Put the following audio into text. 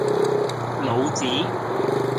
老子